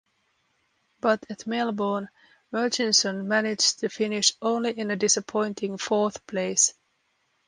But at Melbourne, Murchison managed to finish only in a disappointing fourth place.